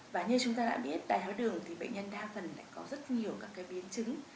và như chúng ta đã biết đại tháo đường thì bệnh nhân đa phần lại có rất nhiều các biến chứng